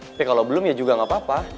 tapi kalo belum ya juga gapapa